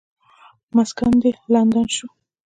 مسکن دې لندن شو.